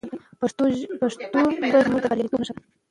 پښتو ژبه زموږ د بریالیتوب نښه ده.